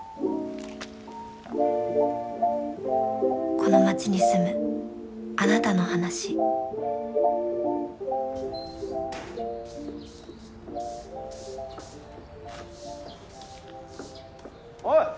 この町に住むあなたの話おう。